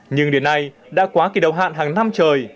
nhưng đến nay đã quá kỳ đầu hạn hàng năm trời